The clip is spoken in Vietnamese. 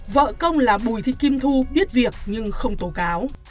vợ công là bùi thị kim thu biết việc nhưng không tố cáo